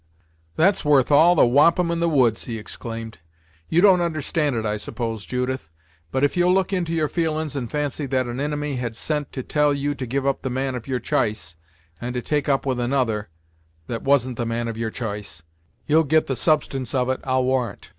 "That's worth all the wampum in the woods!" he exclaimed. "You don't understand it, I suppose, Judith, but if you'll look into your feelin's, and fancy that an inimy had sent to tell you to give up the man of your ch'ice, and to take up with another that wasn't the man of your ch'ice, you'll get the substance of it, I'll warrant!